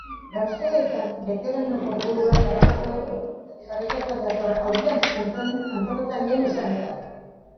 Gazte eta beterano kopurua parekatua dator aurten antolatzaileen esanetan.